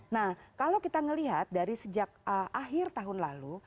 nah kalau kita melihat dari sejak akhir tahun lalu